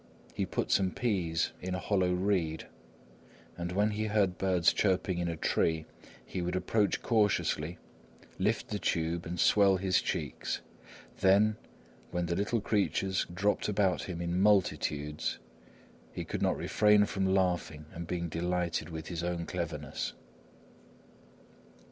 He put some peas in a hollow reed, and when he heard birds chirping in a tree, he would approach cautiously, lift the tube and swell his cheeks; then, when the little creatures dropped about him in multitudes, he could not refrain from laughing and being delighted with his own cleverness.